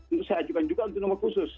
untuk saya ajukan juga untuk nomor khusus